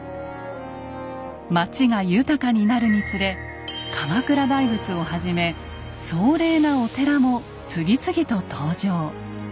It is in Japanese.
町が豊かになるにつれ鎌倉大仏をはじめ壮麗なお寺も次々と登場。